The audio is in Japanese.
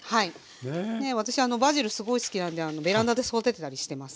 私バジルすごい好きなのでベランダで育ててたりしてます。